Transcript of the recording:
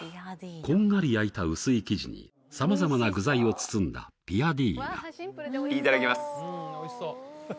こんがり焼いた薄い生地に様々な具材を包んだピアディーナいただきます